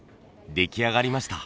出来上がりました！